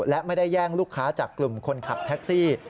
และไม่ได้แย่งลูกค้าจากกลุ่มคนขับแท็กซี่